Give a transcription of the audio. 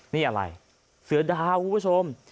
นี่อะไรเสือดาวคุณผู้ชม